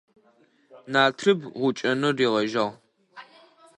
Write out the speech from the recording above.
Натрыб гъукӀэнэу ригъэжьагъ.